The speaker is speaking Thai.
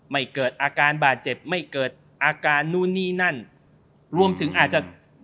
เกิดอาการบาดเจ็บไม่เกิดอาการนู่นนี่นั่นรวมถึงอาจจะ